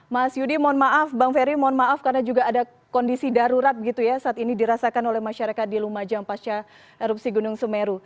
mas yudi mohon maaf bang ferry mohon maaf karena juga ada kondisi darurat gitu ya saat ini dirasakan oleh masyarakat di lumajang pasca erupsi gunung semeru